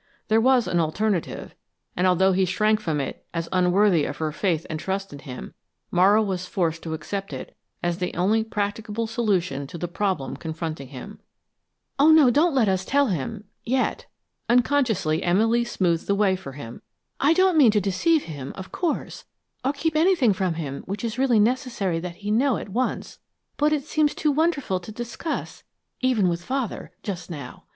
There was an alternative, and although he shrank from it as unworthy of her faith and trust in him, Morrow was forced to accept it as the only practicable solution to the problem confronting him. "Oh, no, don't let us tell him yet!" Unconsciously Emily smoothed the way for him. "I don't mean to deceive him, of course, or keep anything from him which it is really necessary that he know at once, but it seems too wonderful to discuss, even with Father, just now.